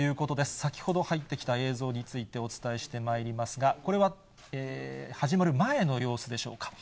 先ほど入ってきた映像について、お伝えしてまいりますが、これは始まる前の様子でしょうか。